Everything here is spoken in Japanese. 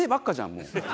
もう。